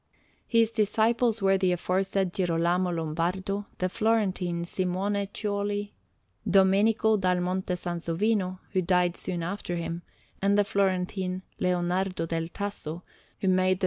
His disciples were the aforesaid Girolamo Lombardo, the Florentine Simone Cioli, Domenico dal Monte Sansovino (who died soon after him), and the Florentine Leonardo del Tasso, who made the S.